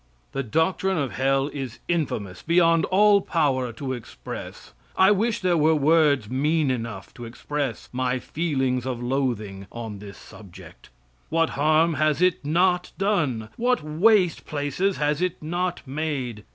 The doctrine of hell is infamous beyond all power to express. I wish there were words mean enough to express my feelings of loathing on this subject. What harm has it not done? What waste places has it not made?